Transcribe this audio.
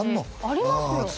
ありますよ